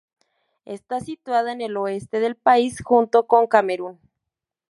Está situada en el oeste del país, junto con Camerún.